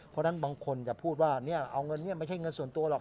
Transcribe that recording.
เพราะฉะนั้นบางคนจะพูดว่าเอาเงินนี้ไม่ใช่เงินส่วนตัวหรอก